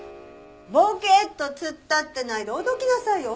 ぼけーっと突っ立ってないでおどきなさいよ。